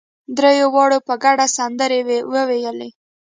درېواړو په ګډه سندرې وويلې.